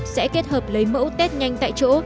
sẽ kết hợp lấy mẫu tết nhanh tại chỗ